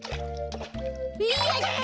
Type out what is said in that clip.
やった！